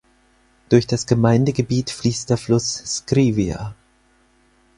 Durch das Gemeindegebiet fließt der Fluss Scrivia.